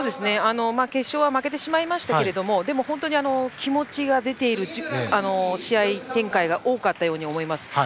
決勝は負けてしまいましたがでも、本当に気持ちが出ている試合展開が多かったと思います。